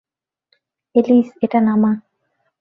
Alice, এটা নামা!